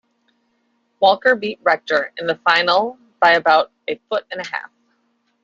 Walker beat Rector in the final by about a foot and half.